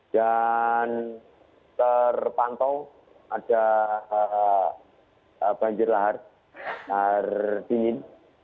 dan terpantau ada banjir lahar air dingin